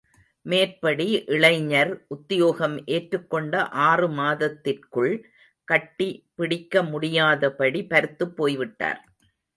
மேற்படி இளைஞர் உத்யோகம் ஏற்றுக் கொண்ட ஆறுமாதத்திற்குள் கட்டி பிடிக்க முடியாதபடி பருத்துப் போய்விட்டார்.